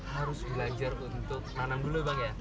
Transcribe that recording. harus belajar untuk nanam dulu bang ya